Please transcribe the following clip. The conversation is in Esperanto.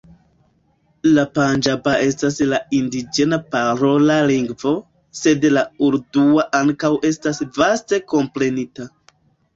La panĝaba estas la indiĝena parola lingvo, sed la urdua ankaŭ estas vaste komprenita.